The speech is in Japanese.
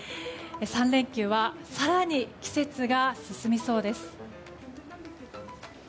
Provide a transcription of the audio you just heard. ３連休は更に季節が進みそうです。